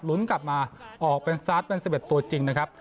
กลับมาออกเป็นสตาร์ทเป็น๑๑ตัวจริงนะครับ